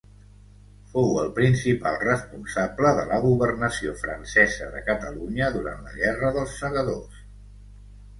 Fou el principal responsable de la governació francesa de Catalunya durant la Guerra dels Segadors.